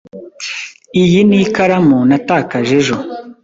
Iyi ni ikaramu natakaje ejo.